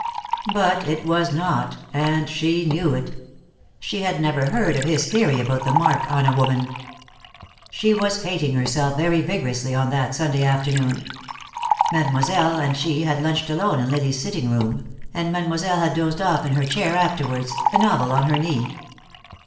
But it was not, and she knew it. She had never heard of his theory about the mark on a woman. She was hating herself very vigorously on that Sunday afternoon. Mademoiselle and she had lunched alone in Lily's sitting room, and Mademoiselle had dozed off in her chair afterwards, a novel on her knee.